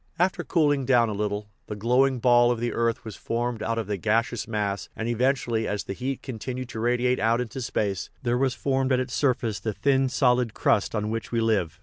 After cooling down a little, the glow ing ball of the earth was formed out of the gaseous mass, and eventually, as the heat continued to radiate out into space, there was formed at its surface the thin solid crust on which we live.